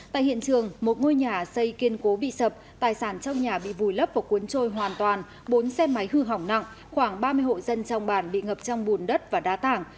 tại hiện trường một ngôi nhà xây kiên cố bị sập tài sản trong nhà bị vùi lấp và cuốn trôi hoàn toàn bốn xe máy hư hỏng nặng khoảng ba mươi hộ dân trong bàn bị ngập trong bùn đất và đá tảng